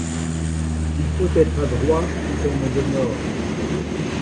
Il faut être adroit sous peine de mort.